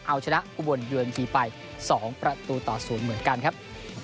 เอาชนะอุบวนเยือนทีไป๒๐เหมือนกันครับ